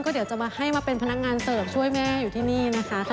เดี๋ยวจะมาให้มาเป็นพนักงานเสิร์ฟช่วยแม่อยู่ที่นี่นะคะ